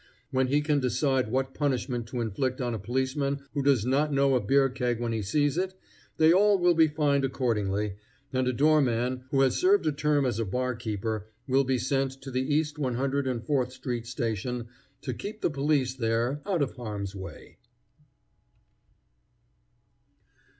When he can decide what punishment to inflict on a policeman who does not know a beer keg when he sees it, they all will be fined accordingly, and a door man who has served a term as a barkeeper will be sent to the East One Hundred and Fourth street station to keep the police there out of harm's way.